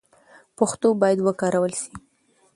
پښتو باید وکارول سي.